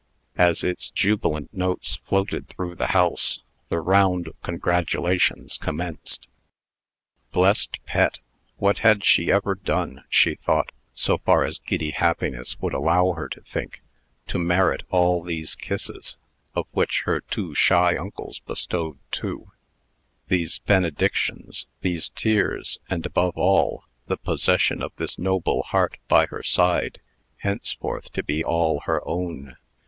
As its jubilant notes floated through the house, the round of congratulations commenced. Blest Pet! What had she ever done she thought, so far as giddy happiness would allow her to think to merit all these kisses (of which her two shy uncles bestowed two), these benedictions, these tears, and, above all, the possession of this noble heart by her side, henceforth to be all her own?